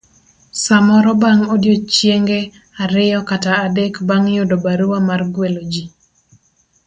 samoro bang' odiechienge ariyo kata adek bang' yudo barua mar gwelo ji.